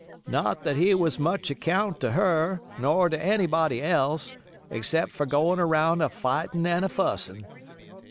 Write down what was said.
"Not that he was much account to her, ner to anybody else, except for goin' aroun' a fightin' and a fussin'."